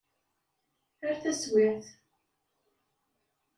Ar taswiɛt.